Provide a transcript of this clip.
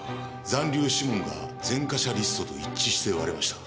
残留指紋が前科者リストと一致して割れました。